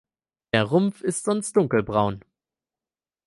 Der Rumpf ist sonst dunkel braun.